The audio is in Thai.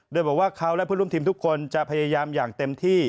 โดยบอกว่าเขาและเพื่อนร่วมทีมทุกคนจะพยายามอย่างเต็มที่